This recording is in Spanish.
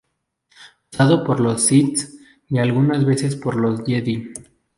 Usado por los "Sith" y algunas veces por los "Jedi".